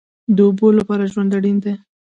د اوبو لپاره ژوند اړین دی